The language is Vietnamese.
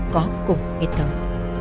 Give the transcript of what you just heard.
có cục miết thống